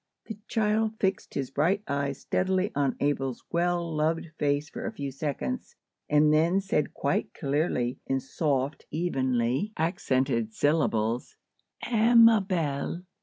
The child fixed his bright eyes steadily on Abel's well loved face for a few seconds, and then said quite clearly, in soft, evenly accented syllables,— "Amabel."